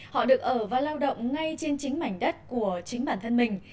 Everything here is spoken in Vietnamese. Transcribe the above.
họ được ở và lao động ngay trên chính mảnh đất của chính bản thân mình